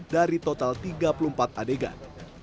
dari total tiga puluh empat adegan